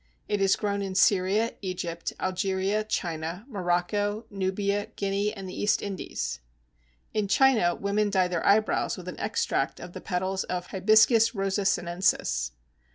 It is grown in Syria, Egypt, Algeria, China, Morocco, Nubia, Guinea, and the East Indies. In China women dye their eyebrows with an extract of the petals of Hibiscus Rosa sinensis.